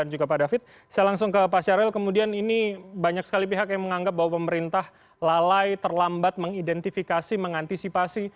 saya langsung ke pak syaril kemudian ini banyak sekali pihak yang menganggap bahwa pemerintah lalai terlambat mengidentifikasi mengantisipasi